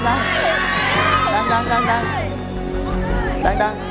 กลุ่นสตรพบ